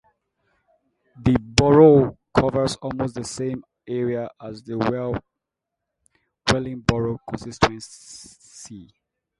The borough covers almost the same area as the Wellingborough constituency.